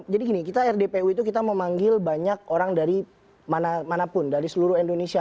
jadi gini kita rdpu itu kita memanggil banyak orang dari mana mana pun dari seluruh indonesia